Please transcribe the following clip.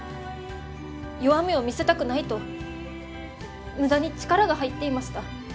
弱みを見せたくないと無駄に力が入っていました。